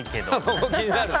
ここ気になるね。